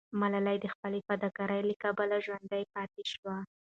ملالۍ د خپل فداکارۍ له کبله ژوندی پاتې سوه.